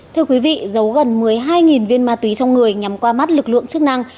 thưa quý vị giấu gần một mươi hai viên ma túy trong người nhằm qua mắt lực lượng chức năng